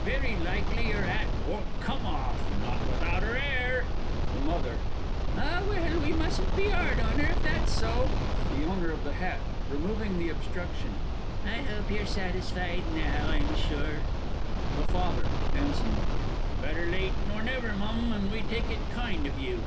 Very likely her 'at won't come off not without her 'air! THE MOTHER. Ah, well, we mustn't be 'ard on her, if that's so. THE O. OF THE H. (removing the obstruction). I 'ope you're satisfied now, I'm sure? THE FATHER (handsomely). Better late nor never, Mum, and we take it kind of you.